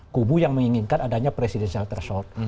kubu yang menginginkan adanya presidensial threshold